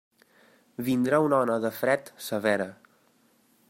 Vindrà una ona de fred severa.